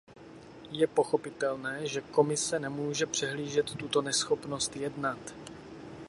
Je pochopitelné, že Komise nemůže přehlížet tuto neschopnost jednat.